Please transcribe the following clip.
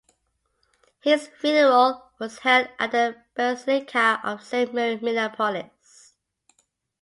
His funeral was held at the Basilica of Saint Mary, Minneapolis.